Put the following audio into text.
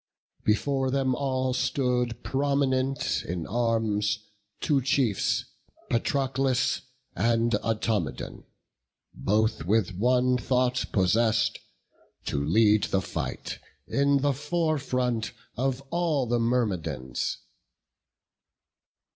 Before them all stood prominent in arms Two chiefs, Patroclus and Automedon, Both with one thought possess'd, to lead the fight In the fore front of all the Myrmidons.